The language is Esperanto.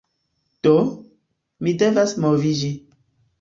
Do, mi devas moviĝi